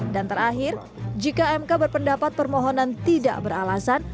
dan terakhir jika mk berpendapat permohonan tidak beralasan